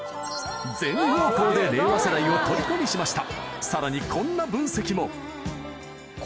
全方向で令和世代をとりこにしました